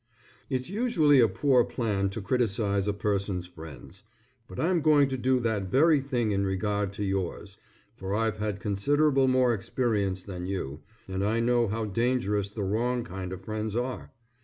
It's usually a poor plan to criticise a person's friends, but I'm going to do that very thing in regard to yours, for I've had considerable more experience than you, and I know how dangerous the wrong kind of friends are.